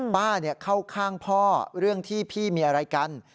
ป้าเข้าข้างพ่อเรื่องที่พี่มีอะไรกัน